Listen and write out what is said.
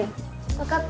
わかった。